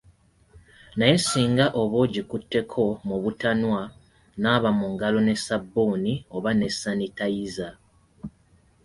Naye singa oba ogikutteko mu butanwa, naaba mu ngalo ne ssabbuuni oba ne sanitayiza.